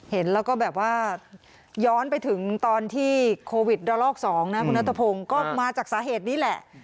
เห็นแล้วก็แบบว่าย้อนไปถึงตอนที่โควิดระลอก๒นะคุณนัทพงศ์ก็มาจากสาเหตุนี้แหละ